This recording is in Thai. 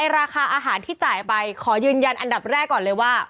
ราคาอาหารที่จ่ายไปขอยืนยันอันดับแรกก่อนเลยว่า